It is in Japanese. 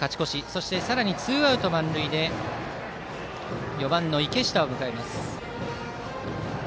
そして、さらにツーアウト満塁で４番の池下を迎えます。